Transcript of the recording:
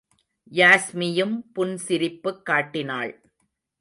யாஸ்மியும் புன்சிரிப்புக் காட்டினாள்.